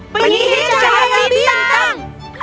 penyihir cahaya bintang